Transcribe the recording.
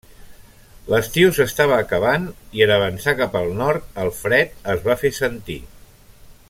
L'estiu s'estava acabant i en avançar cap al nord el fred es va fer sentir.